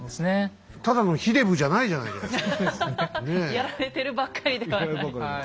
やられてるばっかりではない。